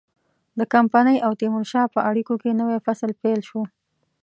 د کمپنۍ او تیمورشاه په اړیکو کې نوی فصل پیل شو.